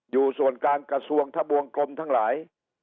อยู่ส่วนกลางกระทรวงทะบวงกลมทั้งหลาย